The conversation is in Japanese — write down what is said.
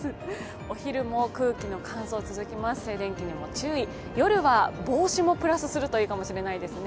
お昼も空気の乾燥が続きます、静電気にも注意、夜は帽子もプラスするといいかもしれないですね。